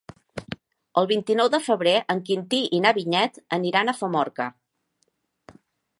El vint-i-nou de febrer en Quintí i na Vinyet aniran a Famorca.